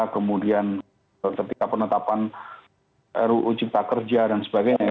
kemudian ketika penetapan ruu cipta kerja dan sebagainya